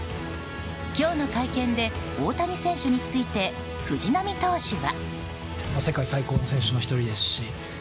今日の会見で大谷選手について、藤浪投手は。